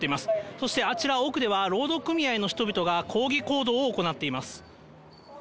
そして、あちら奥では、労働組合の人々が抗議行動を行っています。